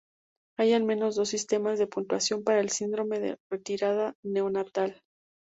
Hay al menos dos sistemas de puntuación para el síndrome de retirada neonatal.